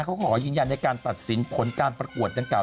ขอยืนยันในการตัดสินผลการประกวดดังกล่า